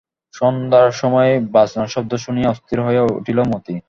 সন্ধ্যার সময় বাজনার শব্দ শুনিয়া অস্থির হইয়া উঠিল মতি।